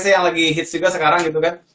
saya yang lagi hits juga sekarang gitu kan